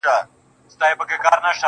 که ترینې دي د پښین دي، د ستاینې